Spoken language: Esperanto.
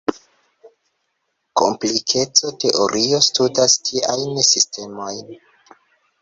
Komplikeco-teorio studas tiajn sistemojn.